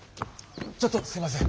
ちょっとすいません。